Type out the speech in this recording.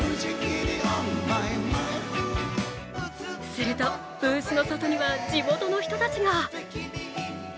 するとブースの外には地元の人たちが。